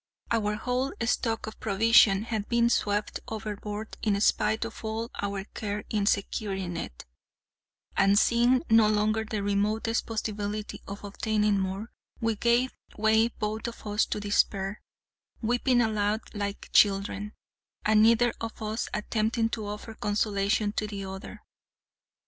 Our whole stock of provision had been swept overboard in spite of all our care in securing it; and seeing no longer the remotest possibility of obtaining more, we gave way both of us to despair, weeping aloud like children, and neither of us attempting to offer consolation to the other.